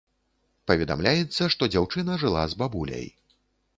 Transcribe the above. Паведамляецца, што дзяўчына жыла з бабуляй.